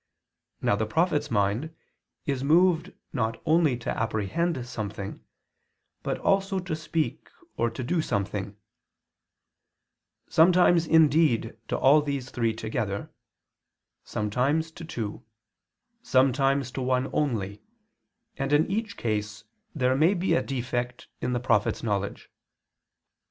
Now the prophet's mind is moved not only to apprehend something, but also to speak or to do something; sometimes indeed to all these three together, sometimes to two, sometimes to one only, and in each case there may be a defect in the prophet's knowledge.